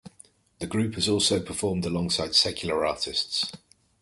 The group has also performed alongside secular artists.